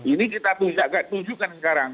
ini kita tunjukkan sekarang